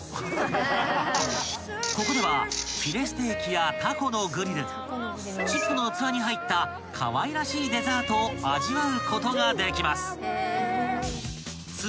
［ここではフィレステーキやタコのグリルチップの器に入ったかわいらしいデザートを味わうことができます］